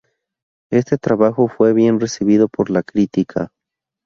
Este trabajo fue bien recibido por la critica.